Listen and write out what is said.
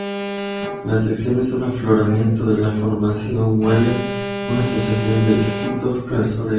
La sección es un afloramiento de la Formación Wheeler, una sucesión de esquistos calcáreos.